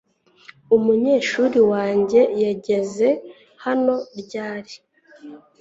Umunyeshuri wanjye yageze hano ryari?